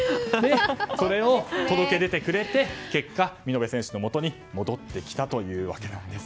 それを届け出てくれて結果、見延選手のもとに戻ってきたわけなんです。